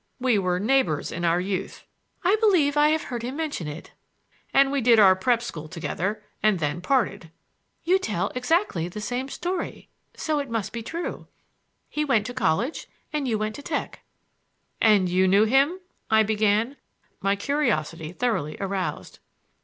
"We were neighbors in our youth." "I believe I have heard him mention it." "And we did our prep school together, and then parted!" "You tell exactly the same story, so it must be true. He went to college and you went to Tech." "And you knew him—?" I began, my curiosity thoroughly aroused.